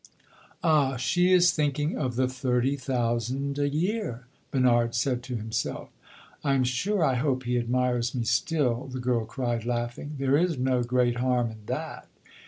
"Ah! she is thinking of the thirty thousand a year," Bernard said to himself. "I am sure I hope he admires me still," the girl cried, laughing. "There is no great harm in that."